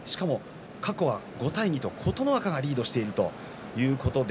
過去は５対２と琴ノ若がリードしているということで。